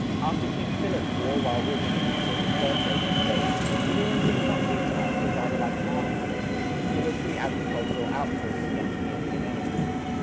After King Philip's War, while Albany was still in the fur trading stage, the New England frontier towns were rather like mark colonies, military agricultural outposts against the Indian enemy.